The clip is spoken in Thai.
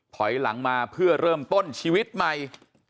ถอยหลังมาเพื่อเริ่มต้นชีวิตใหม่